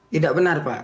tidak benar pak